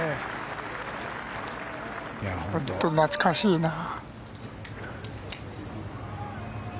本当に懐かしいな。